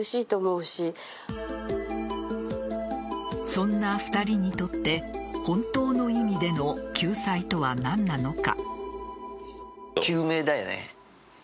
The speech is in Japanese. そんな２人にとって本当の意味での救済とは何なのか。